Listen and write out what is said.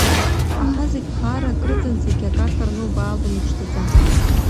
Аха зегь хаарак рыҵан, зегь акака рнубаалон иԥшӡаӡа…